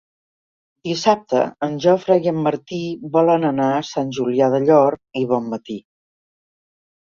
Dissabte en Jofre i en Martí volen anar a Sant Julià del Llor i Bonmatí.